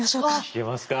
聞けますか。